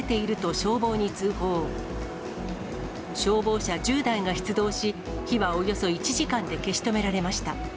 消防車１０台が出動し、火はおよそ１時間で消し止められました。